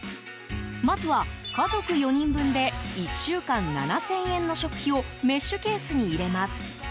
まずは家族４人分で１週間７０００円の食費をメッシュケースに入れます。